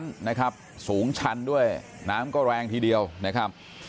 น้ำนะครับสูงชันด้วยน้ำก็แรงทีเดียวนะครับ